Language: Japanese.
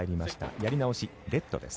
やり直し、レットです。